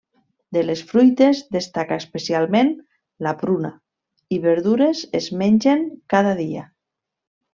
De les fruites, destaca especialment la pruna; i verdures es mengen cada dia.